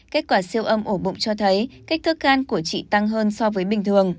kết quả siêu âm ổ bụng cho thấy kích thước gan của chị tăng hơn so với bình thường